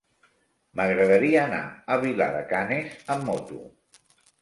M'agradaria anar a Vilar de Canes amb moto.